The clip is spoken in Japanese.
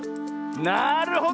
なるほど！